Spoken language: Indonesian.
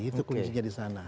itu kuncinya di sana